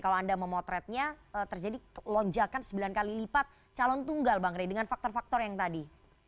kalau anda memotretnya terjadi lonjakan sembilan kali lipat calon tunggal bang rey dengan faktor faktor yang tadi